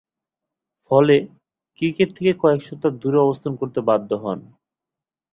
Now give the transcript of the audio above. ফলে, ক্রিকেট থেকে কয়েক সপ্তাহ দূরে অবস্থান করতে বাধ্য হন।